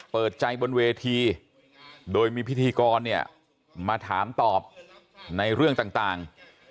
เปิดใจบนเวทีโดยมีพิธีกรเนี่ยมาถามตอบในเรื่องต่าง